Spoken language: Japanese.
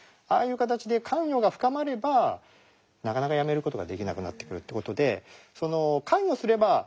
ああいう形で関与が深まればなかなかやめる事ができなくなってくるという事で。